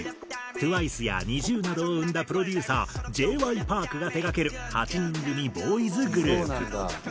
ＴＷＩＣＥやＮｉｚｉＵなどを生んだプロデューサーＪ．Ｙ．Ｐａｒｋが手がける８人組ボーイズグループ。